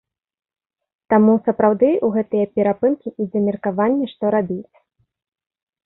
Таму, сапраўды, у гэтыя перапынкі ідзе меркаванне, што рабіць.